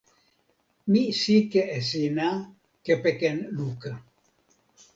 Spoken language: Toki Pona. mi sike e sina kepeken luka.